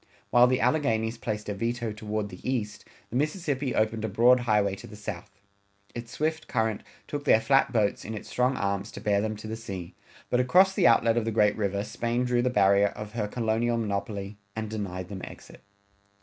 While the Alleghanies placed a veto toward the east, the Mississippi opened a broad highway to the south. Its swift current took their flat boats in its strong arms to bear them to the sea, but across the outlet of the great river Spain drew the barrier of her colonial monopoly and denied them exit.